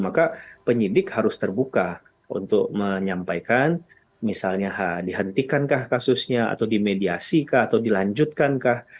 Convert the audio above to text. maka penyidik harus terbuka untuk menyampaikan misalnya dihentikankah kasusnya atau dimediasikah atau dilanjutkankah